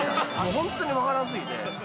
本当に分からなすぎて。